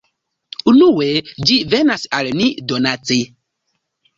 Unue, ĝi venas al ni donace.